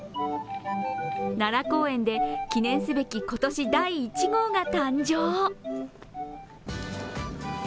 奈良公園で記念すべき今年第１号が誕生。